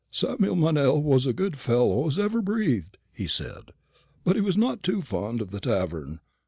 "Samuel Meynell was as good a fellow as ever breathed," he said; "but he was too fond of the tavern.